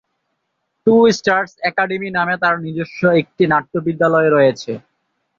True stars academy নামে তার নিজস্ব একটি নাট্যবিদ্যালয় রয়েছে।